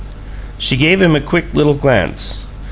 She gave him a quick little glance.